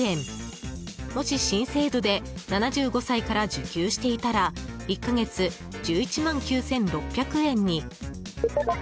もし新制度で７５歳から受給していたら１か月１１万９６００円に。